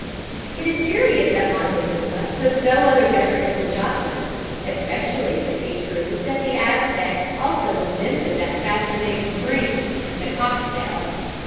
" It is curious that Montezuma took no other beverage than chocolate, especially if it be true that the Aztecs also invented that fascinating drink, the cocktail (xoc tl).